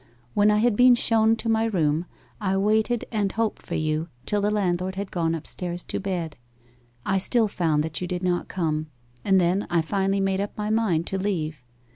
When I had been shown to my room I waited and hoped for you till the landlord had gone upstairs to bed. I still found that you did not come, and then I finally made up my mind to leave.